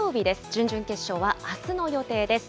準々決勝はあすの予定です。